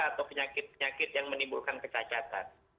atau penyakit penyakit yang menimbulkan kecacatan